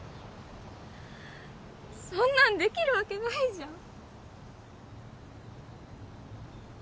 そんなんできるわけないじゃん